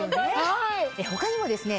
他にもですね